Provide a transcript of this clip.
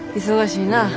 忙しいな。